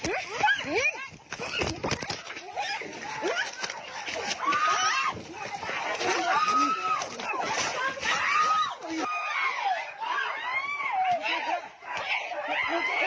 อ้าวอ้าวอ้าวอ้าว